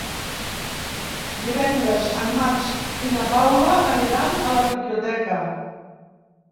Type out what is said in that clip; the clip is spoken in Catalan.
Divendres en Max i na Paula aniran a la biblioteca.